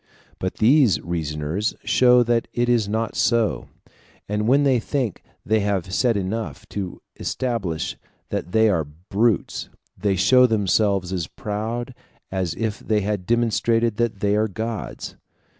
But these reasoners show that it is not so; and when they think they have said enough to establish that they are brutes, they show themselves as proud as if they had demonstrated that they are gods.